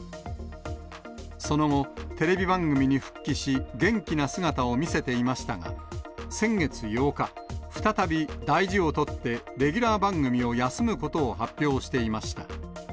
その後、テレビ番組に復帰し、元気な姿を見せていましたが、先月８日、再び大事をとってレギュラー番組を休むことを発表していました。